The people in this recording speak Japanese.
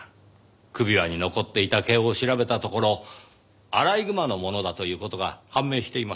首輪に残っていた毛を調べたところアライグマのものだという事が判明しています。